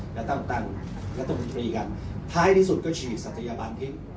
จะตั้งตั้งและต้องฝีกันท้ายที่สุดก็ฉีดสัตยบันทิศ